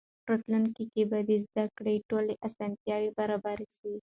په راتلونکي کې به د زده کړې ټولې اسانتیاوې برابرې سي.